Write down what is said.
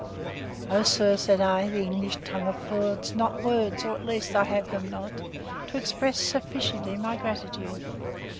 O, sir, said I, the English tongue affords not words, or, at least, I have them not, to express sufficiently my gratitude!